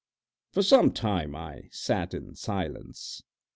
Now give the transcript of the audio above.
For some time I sat in silence.